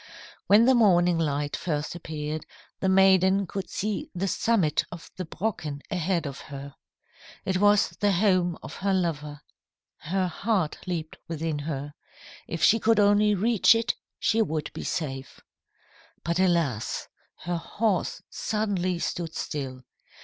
"When the morning light first appeared, the maiden could see the summit of the Brocken ahead of her. It was the home of her lover. Her heart leaped within her. If she could only reach it she would be safe. "But alas! her horse suddenly stood still.